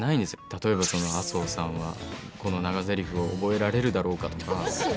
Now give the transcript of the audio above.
例えば、麻生さんはこの長ぜりふを覚えられるだろうかとか。